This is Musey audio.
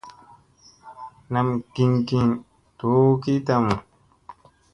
Nam gin gin doo ki tamu.